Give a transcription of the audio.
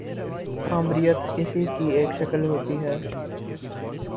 آمریت اسی کی ایک شکل ہوتی ہے۔